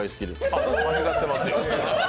あっ、間違ってますよ。